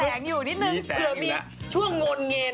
อยู่นิดนึงเผื่อมีช่วงงนเงน